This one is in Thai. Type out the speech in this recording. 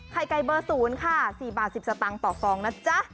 ไข่ไก่เบอร์๐ค่ะ๔บาท๑๐สตางค์ต่อฟองนะจ๊ะ